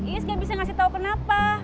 iis gak bisa ngasih tau kenapa